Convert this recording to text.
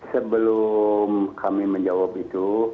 sebelum kami menjawab itu